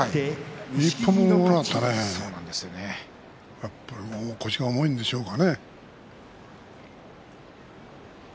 やっぱり腰が重いんでしょうかね。